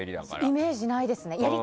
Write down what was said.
イメージないですね。